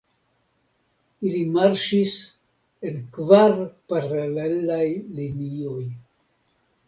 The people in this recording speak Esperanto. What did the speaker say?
Ili marŝis en kvar paralelaj linioj.